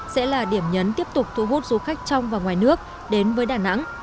sẽ là điểm nhấn tiếp tục thu hút du khách trong và ngoài nước đến với đà nẵng